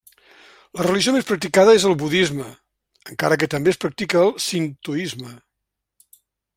La religió més practicada és el budisme, encara que també es practica el sintoisme.